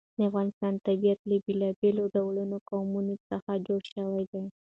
د افغانستان طبیعت له بېلابېلو ډولو قومونه څخه جوړ شوی دی.